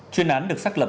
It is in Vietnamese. chuyên án được xác lập